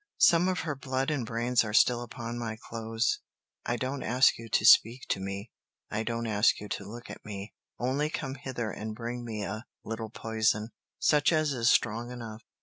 Some of her blood and brains is still upon my clothes. I don't ask you to speak to me, I don't ask you to look at me, only come hither and bring me a little poison, such as is strong enough.